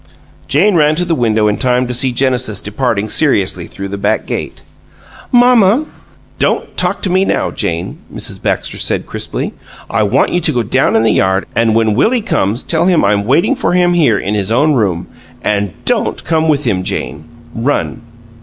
Jane ran to the window in time to see Genesis departing seriously through the back gate. "Mamma " "Don't talk to me now, Jane," Mrs. Baxter said, crisply. "I want you to go down in the yard, and when Willie comes tell him I'm waiting for him here in his own room. And don't come with him, Jane. Run!"